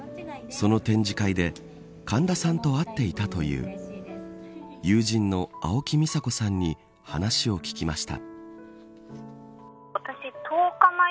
その展示会で神田さんと会っていたという友人の青木美沙子さんに話を聞きました。